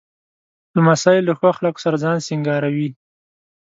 لمسی له ښو اخلاقو سره ځان سینګاروي.